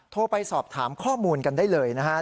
โทรไปสอบถามข้อมูลกันได้เลยนะครับ